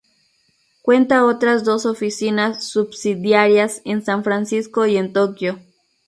Cuenta otras dos oficinas subsidiarias en San Francisco y en Tokyo.